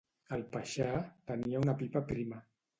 El paixà tenia una pipa prima